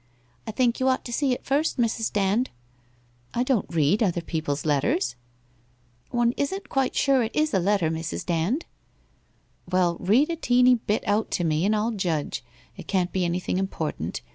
' 1 think you ought to sec it first, Mrs. Dand.' '[ don't read other people's letters/ ' Ono isn't quite sure it is a letter, Mr . Dand. 1 'Well, rend a teeny bit out to me, and I'll judge. It can't be anything important.